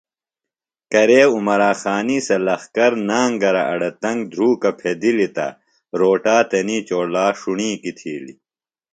کرے عمراخانی سےۡ لخکر نانگرہ اڑے تنگ دُھروکہ پھدِلیۡ تہ روٹا تنی چولا ݜݨوکی تِھیلیۡ